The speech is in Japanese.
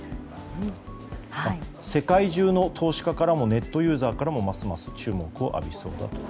世界中の投資家からもネットユーザーからもますます注目を浴びそうだと。